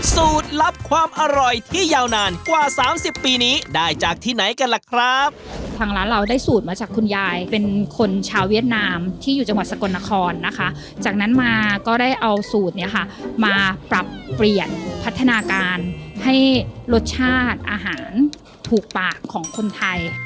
สูตรลับความอร่อยที่ยาวนานกว่าสามสิบปีนี้ได้จากที่ไหนกันล่ะครับทางร้านเราได้สูตรมาจากคุณยายเป็นคนชาวเวียดนามที่อยู่จังหวัดสกลนครนะคะจากนั้นมาก็ได้เอาสูตรเนี้ยค่ะมาปรับเปลี่ยนพัฒนาการให้รสชาติอาหารถูกปากของคนไทย